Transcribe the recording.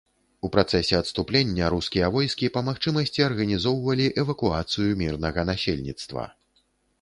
У працэсе адступлення рускія войскі, па магчымасці, арганізоўвалі эвакуацыю мірнага насельніцтва.